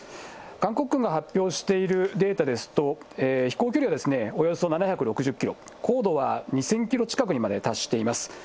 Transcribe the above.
韓国軍が発表しているデータですと、飛行距離がおよそ７６０キロ、高度は２０００キロ近くにまで達しています。